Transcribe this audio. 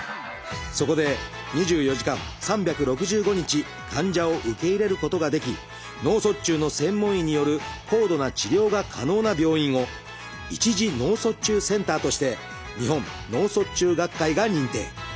そこで２４時間３６５日患者を受け入れることができ脳卒中の専門医による高度な治療が可能な病院を一次脳卒中センターとして日本脳卒中学会が認定。